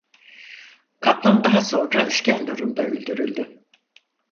Kaplan daha sonra İskenderun'da öldürüldü.